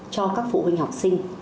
cho các phụ huynh học sinh